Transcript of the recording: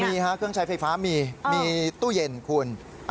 มีฮะเครื่องใช้ไฟฟ้ามีมีตู้เย็นคุณ